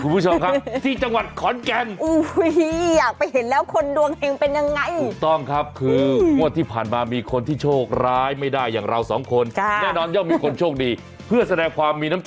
คุณผู้ชมครับที่จังหวัดขอนแก่น